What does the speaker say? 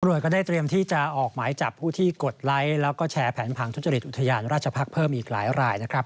ก็ได้เตรียมที่จะออกหมายจับผู้ที่กดไลค์แล้วก็แชร์แผนผังทุจริตอุทยานราชพักษ์เพิ่มอีกหลายรายนะครับ